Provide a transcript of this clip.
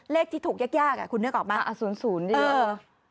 เลขที่ถูกยากยากอ่ะคุณเนื่องออกมาอ่ะศูนย์ศูนย์เออ